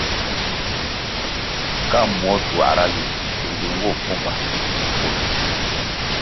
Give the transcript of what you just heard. Ka muo tuãhra ywe tundi nwo pfumba mful.